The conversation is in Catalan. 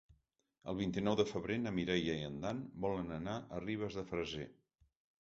El vint-i-nou de febrer na Mireia i en Dan volen anar a Ribes de Freser.